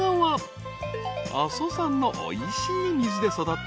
［阿蘇山のおいしい水で育った阿蘇夢